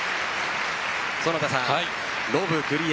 園田さん、ロブ、クリア